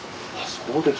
そうです。